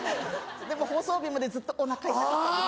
でも放送日までずっとおなか痛かったです